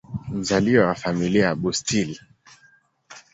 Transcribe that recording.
Mzaliwa wa Familia ya Bustill.